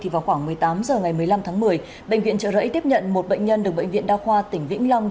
vào khoảng một mươi tám h ngày một mươi năm tháng một mươi bệnh viện trợ rẫy tiếp nhận một bệnh nhân được bệnh viện đa khoa tỉnh vĩnh long